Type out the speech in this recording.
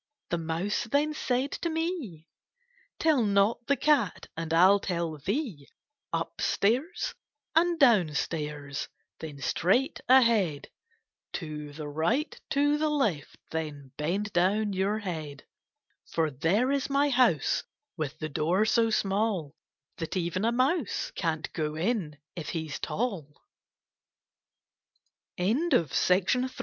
' The mouse then said to me, * Tell not the cat And I '11 tell thee. Up stairs and down stairs, Then straight ahead; To the right, to the left, Then bend down your head; For there is my house With the door so small, That even a mouse Ca